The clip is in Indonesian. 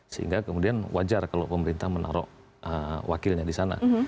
sehingga kemudian wajar kalau pemerintah menaruh wakilnya di sana